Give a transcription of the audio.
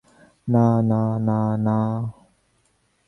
না, না, না, না!